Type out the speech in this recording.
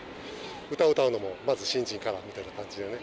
歌を歌うのもまず新人からみたいな感じだよね。